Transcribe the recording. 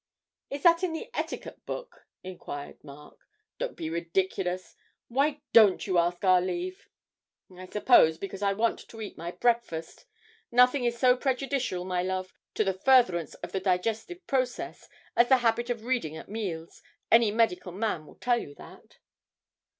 'Is that in the Etiquette Book?' inquired Mark. 'Don't be ridiculous why don't you ask our leave?' 'I suppose because I want to eat my breakfast nothing is so prejudicial, my love, to the furtherance of the digestive process as the habit of reading at meals, any medical man will tell you that.'